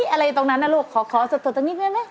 อะไรตรงนั้นน่ะลูกขอสะตวนตรงนี้ด้วยไหม